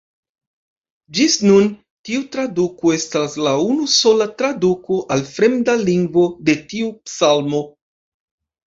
Ĝis nun tiu traduko estas la unusola traduko al fremda lingvo de tiu psalmo.